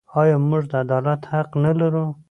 آیا موږ د عدالت حق نلرو؟